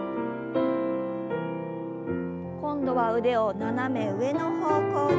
今度は腕を斜め上の方向に。